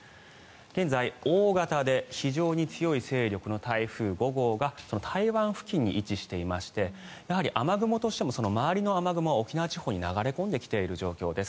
現在、大型で非常に強い勢力の台風５号が台湾付近に位置していまして雨雲としても周りの雨雲は沖縄地方に流れ込んできている状況です。